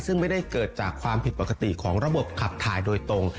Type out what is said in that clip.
ซึ่งไม่ได้เกิดจากความผิดปกติของระบบขับถ่ายโดยตรง